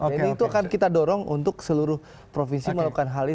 jadi itu akan kita dorong untuk seluruh provinsi melakukan hal itu